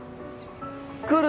来る